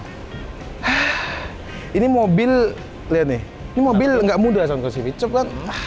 hah ini mobil lihat nih ini mobil gak mudah sobat kuasivi coba